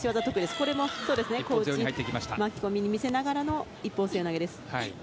ここも小内巻き込みに見せながらの一本背負い投げです。